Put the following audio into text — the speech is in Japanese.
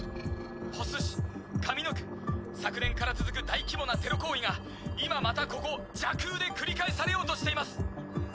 保須市神野区昨年から続く大規模なテロ行為が今またここ蛇腔で繰り返されようとしています！